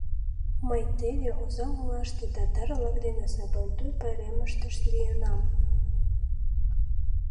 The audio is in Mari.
Мый теве Озаҥ олаште татар-влак дене Сабантуй пайремыштышт лийынам.